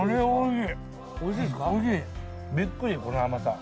びっくりこの甘さ。